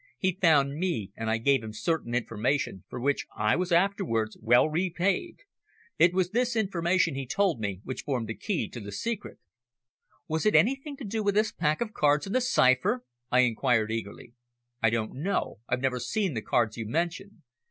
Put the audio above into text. He found me and I gave him certain information for which I was afterwards well repaid. It was this information, he told me, which formed the key to the secret." "Was it anything to do with this pack of cards and the cipher?" I inquired eagerly. "I don't know, I've never seen the cards you mention.